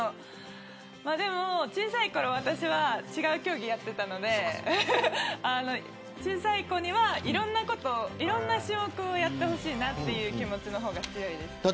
でも小さい頃、私は違う競技やっていたので小さい子にはいろんなこと、いろんな種目をやってほしいなという気持ちの方が強いです。